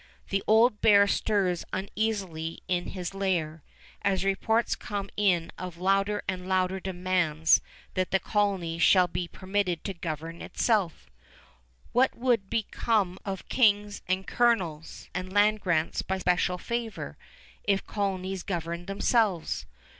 The old bear stirs uneasily in his lair, as reports come in of louder and louder demands that the colony shall be permitted to govern itself. What would become of kings and colonels and land grants by special favor, if colonies governed themselves?